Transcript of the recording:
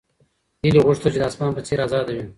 هیلې غوښتل چې د اسمان په څېر ازاده وي.